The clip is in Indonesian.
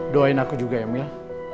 doain aku juga emil